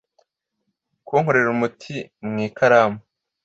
kunkorera umuti mu ikaramu